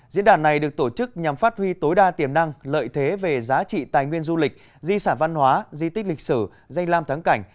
diễn đàn này được tổ chức nhằm phát huy tối đa tiềm năng lợi thế về giá trị tài nguyên du lịch di sản văn hóa di tích lịch sử danh lam thắng cảnh